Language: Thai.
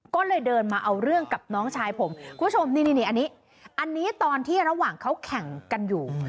ก็เลยเดินมาเอาเรื่องกับน้องชายผมคุณผู้ชมนี่อันนี้ตอนที่ระหว่างเขาแข่งกันอยู่